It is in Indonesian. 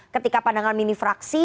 ketika pandangan mini fraksi